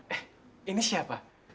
eh ini siapa